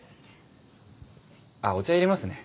あっお茶入れますね。